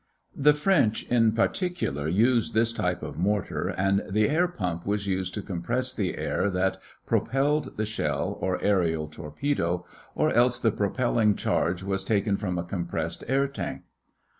] The French in particular used this type of mortar and the air pump was used to compress the air that propelled the shell or aërial torpedo, or else the propelling charge was taken from a compressed air tank.